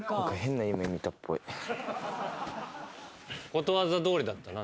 ことわざどおりだったな。